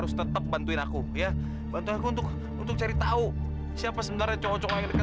sampai jumpa di video selanjutnya